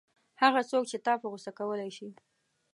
هغه څوک چې تا په غوسه کولای شي.